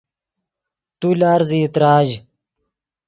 تو لارزیئی تراژ